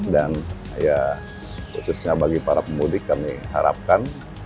dan ya khususnya bagi para pemudik kami harapkan